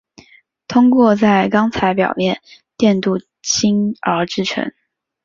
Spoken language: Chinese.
通过在钢材表面电镀锌而制成。